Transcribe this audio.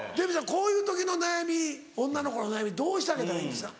こういう時の悩み女の子の悩みどうしてあげたらいいんですか？